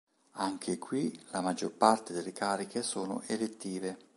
Anche qui la maggior parte delle cariche sono elettive.